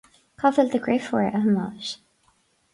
Cá bhfuil do dheirfiúr, a Thomáis